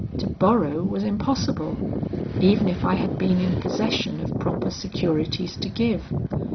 To borrow was impossible, even if I had been in possession of proper securities to give.